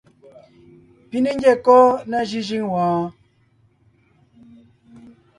Pi ne ńgyɛ́ kɔ́ ná jʉ́jʉ́ŋ wɔɔn?